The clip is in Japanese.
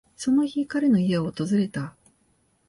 その日、彼の家を訪れた。